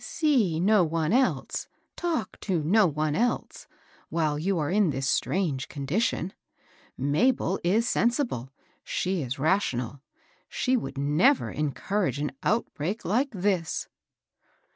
See no one else, talk to no one else, while you are in this strange condition. Mabel is sensible, she is rational, she would never encourage an outbreak like this."